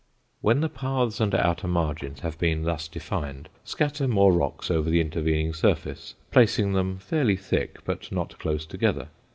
When the paths and outer margins have been thus defined, scatter more rocks over the intervening surface, placing them fairly thick but not close together.